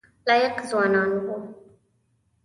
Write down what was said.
لایق ځوانان وو.